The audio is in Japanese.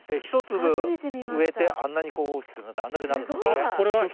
１粒植えてあんなに大きくなってあれだけなるんですね。